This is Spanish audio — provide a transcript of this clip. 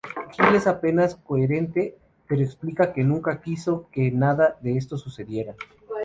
Gill es apenas coherente, pero explica que nunca quiso que nada de esto sucediera.